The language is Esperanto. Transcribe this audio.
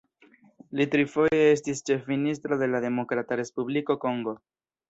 Li trifoje estis ĉefministro de la Demokrata Respubliko Kongo.